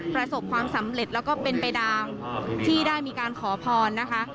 ประสบความสำเร็จแล้วก็เป็นไปตามที่ได้มีการขอพรนะคะ